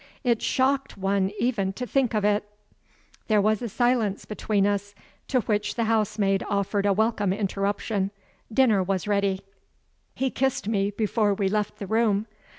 It shocked one even to think of it. There was a silence between us, to which the housemaid offered a welcome interruption. Dinner was ready. He kissed me before we left the room.